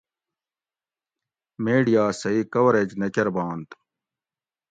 میڈیا صحیح کوریج نہ کربانت